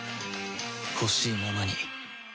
ほしいままに